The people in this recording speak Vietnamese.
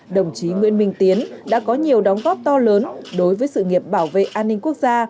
đồng chí nguyễn minh tiến đã có nhiều đóng góp to lớn đối với sự nghiệp bảo vệ an ninh quốc gia